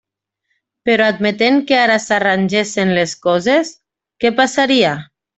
Però admetent que ara s'arrangessen les coses, ¿què passaria?